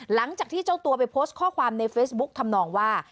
หลังจากที่เจ้าตัวไปโพสต์ข้อความในเฟซบุ๊คทำนองว่า